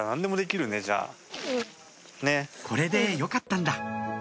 「これでよかったんだ」